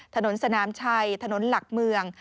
ถนนสนามชัยถนนหลักเมือง